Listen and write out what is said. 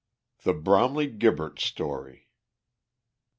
THE BROMLEY GIBBERTS STORY.